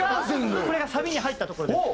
これがサビに入ったところです。